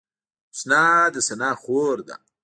حسنا د ثنا خور ده